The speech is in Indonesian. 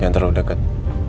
jangan terlalu deket